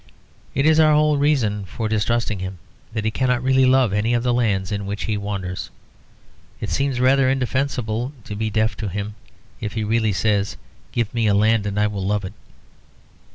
It is our whole reason for distrusting him that he cannot really love any of the lands in which he wanders; it seems rather indefensible to be deaf to him if he really says, "Give me a land and I will love it."